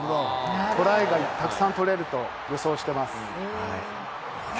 トライがたくさん取れると予想しています。